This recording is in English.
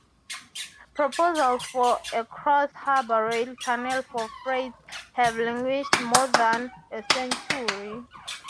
Proposals for a Cross-Harbor Rail Tunnel for freight have languished more than a century.